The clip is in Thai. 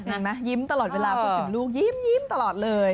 เห็นไหมยิ้มตลอดเวลาพอถึงลูกยิ้มตลอดเลย